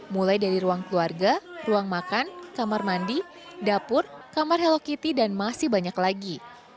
mulai dari ruang keluarga ruang makan kamar mandi dapur kamar hello kitty dan masih banyak lagi